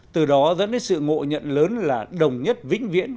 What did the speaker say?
từ đó dẫn đến sự ngộ nhận lớn là đồng nhất vĩnh viễn